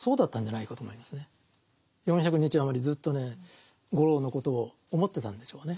ずっとね五郎のことを思ってたんでしょうね。